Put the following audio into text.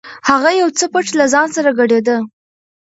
هغه یو څه پټ له ځانه سره ګړېده.